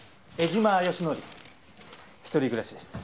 一人暮らしです。